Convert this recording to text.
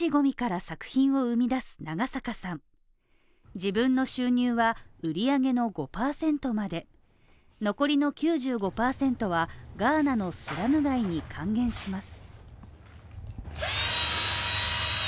自分の収入は売り上げの５％まで残りの９５％はガーナのスラム街に還元します